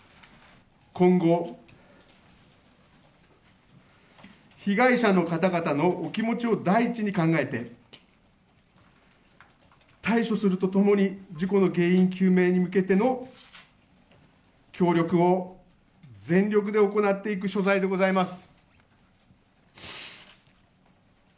今後、被害者の方々のお気持ちを第一に考えて、対処するとともに、事故の原因究明に向けての協力を全力で行っていく所存でございます。